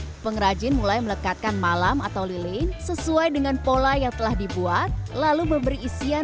lalu ngelawong pengrajin mulai melekatkan malam atau lilin sesuai dengan pola yang telah dibuat lalu memberi isian pada orang lain